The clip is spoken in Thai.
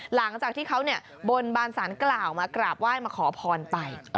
หลังจากที่เขาบนบานสารกล่าวมากราบไหว้มาขอพรไป